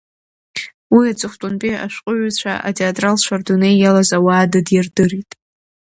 Уи аҵыхәтәантәи ашәҟәыҩҩцәа атеатралцәа рдунеи иалаз ауаа дыдирдырит.